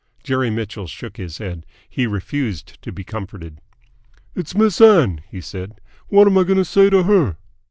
Jerry Mitchell shook his head. He refused to be comforted. "It's Miss Ann," he said. "What am I going to say to her?"